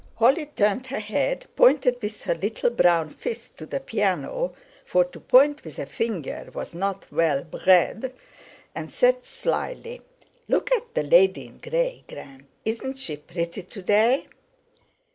Holly turned her head, pointed with her little brown fist to the piano—for to point with a finger was not "well brrred"—and said slyly: "Look at the 'lady in grey,' Gran; isn't she pretty to day?"